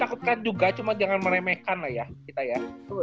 takutkan juga cuma jangan meremehkan lah ya kita ya